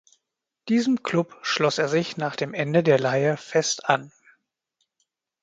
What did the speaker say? Diesem Klub schloss er sich nach dem Ende der Leihe fest an.